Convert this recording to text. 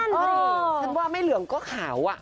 นั่นคือเนี่ยฉันว่าไม่เหลืองก็ขาวอะ